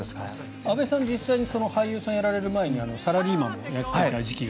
阿部さん、実際に俳優をやられる前にサラリーマンもやっていた時期が。